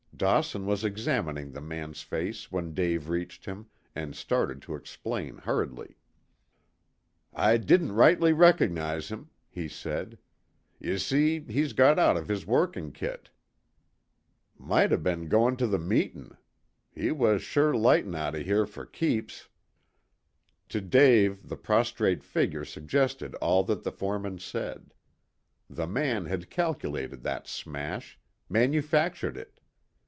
Dawson was examining the man's face when Dave reached him, and started to explain hurriedly. "I didn't rightly rec'nize him," he said. "Y'see he's got out of his workin' kit. Might ha' bin goin' to the Meetin'. He was sure lightin' out of here for keeps." To Dave the prostrate figure suggested all that the foreman said. The man had calculated that smash manufactured it.